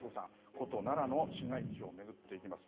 古都・奈良の市街地を巡っていきます。